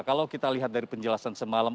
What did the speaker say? kalau kita lihat dari penjelasan semalam